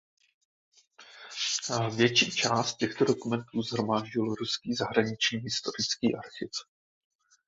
Větší část těchto dokumentů shromáždil Ruský zahraniční historický archiv.